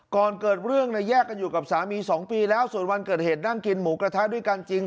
ก่อนเกิดเรื่องเนี่ยแยกกันอยู่กับสามี๒ปีแล้วส่วนวันเกิดเหตุนั่งกินหมูกระทะด้วยกันจริง